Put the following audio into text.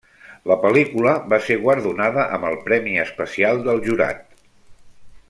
La pel·lícula va ser guardonada amb el Premi Especial del Jurat.